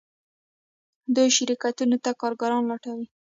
دوی شرکتونو ته کارګران لټوي.